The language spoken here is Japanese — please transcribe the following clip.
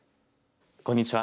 こんにちは。